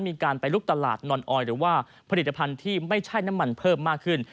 มีการไปลุกตลาดนอนออยหรือว่าผลิตภัณฑ์ที่ไม่ใช่น้ำมันเพิ่มมากขึ้น